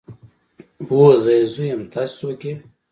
هو زه يې زوی يم تاسې څوک يئ.